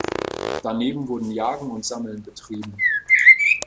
Daneben wurden Jagen und Sammeln betrieben.